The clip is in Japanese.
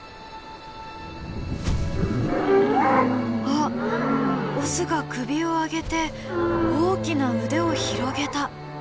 あっオスが首を上げて大きな腕を広げた。